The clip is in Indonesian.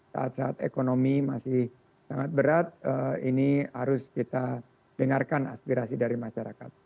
saat saat ekonomi masih sangat berat ini harus kita dengarkan aspirasi dari masyarakat